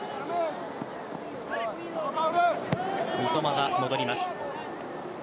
三笘が戻ります。